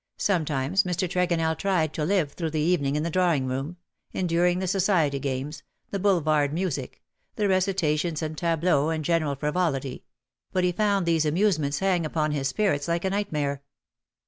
Some times Mr. Tregonell tried to live through the evening in the drawing room — enduring the society games — the Boulevard music — the recitations and tableaux and general frivolity — but he found these amuse ments hang upon his spirits like a nightmare.